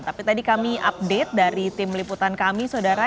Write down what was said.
tapi tadi kami update dari tim liputan kami saudara